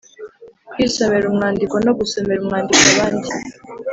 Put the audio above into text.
Kwisomera umwandiko no gusomera umwandiko abandi